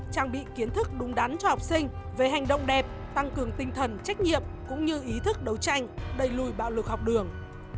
trang bị kiến thức đúng đắn cho học sinh về hành động đẹp tăng cường tinh thần trách nhiệm cũng như ý thức đấu tranh đẩy lùi bạo lực học đường